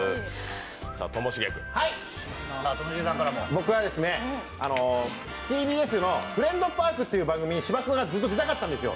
僕はですね、ＴＢＳの「フレンドパーク」という番組に芝君がずっと出たかったんですよ。